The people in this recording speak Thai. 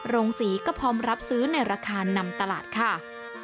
โรงศรีก็พร้อมรับซื้อในราคานำตลาดค่ะ